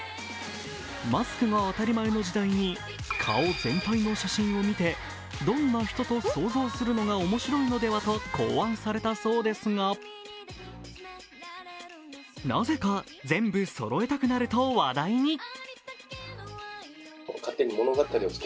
マスクが当たり前の時代に顔全体の写真を見てどんな人？と想像するのが面白いのではと考案されたそうですが、なぜか全部そろえたくなると話題に。